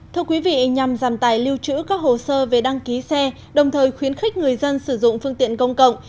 thưa quý vị nhằm giảm tài lưu trữ các hồ sơ về đăng ký xe đồng thời khuyến khích người dân sử dụng phương tiện công cộng